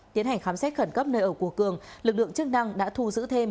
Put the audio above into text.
tiến hành khám xét khẩn cấp nơi ở của cường lực lượng chức năng đã thu giữ thêm